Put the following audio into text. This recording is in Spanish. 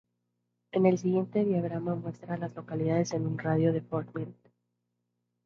El siguiente diagrama muestra a las localidades en un radio de de Fort Mill.